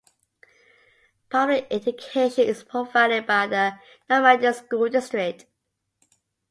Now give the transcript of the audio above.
Public education is provided by the Normandy School District.